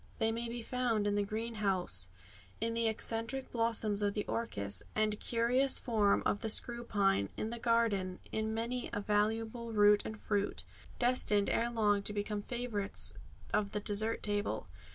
They may be found in the greenhouse, in the eccentric blossoms of the orchis, and curious form of the screw pine in the garden, in many a valuable root and fruit, destined ere long to become favourites of the dessert table.